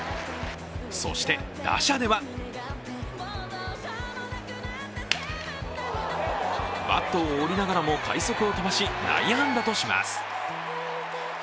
そして、打者ではバットを折りながらも快足を飛ばし、内野安打とします。